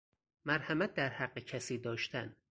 مرحمت در حق کسی داشتن